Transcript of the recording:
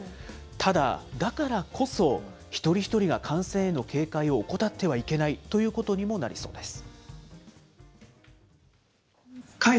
ただ、だからこそ、一人一人が感染への警戒を怠ってはいけないということにもなりそうです。